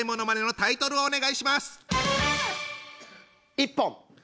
「一本」！